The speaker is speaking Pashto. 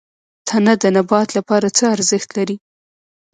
تنه د نبات لپاره څه ارزښت لري؟